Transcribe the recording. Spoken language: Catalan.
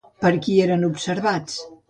Per qui eren observats?